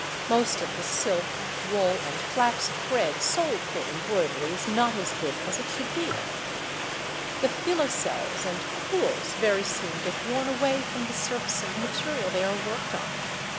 Most of the silk, wool, and flax thread sold for embroidery is not as good as it should be. The filoselles and crewels very soon get worn away from the surface of the material they are worked on.